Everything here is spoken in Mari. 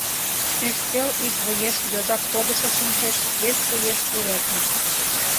Ӱстел ик вуеш йозак погышо шинчеш, вес вуеш — урядник.